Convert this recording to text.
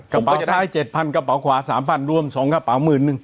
กระเป๋าซ้าย๗๐๐กระเป๋าขวา๓๐๐รวม๒กระเป๋าหมื่นหนึ่ง